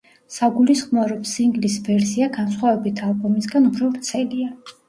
საგულისხმოა, რომ სინგლის ვერსია, განსხვავებით ალბომისგან, უფრო ვრცელია.